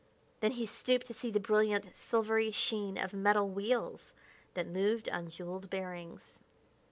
Then he stooped to see the brilliant, silvery sheen of metal wheels that moved on jeweled bearings.